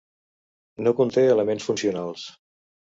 No conté elements funcionals.